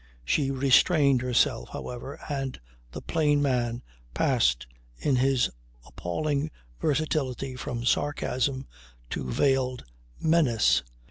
She restrained herself, however; and the "plain man" passed in his appalling versatility from sarcasm to veiled menace.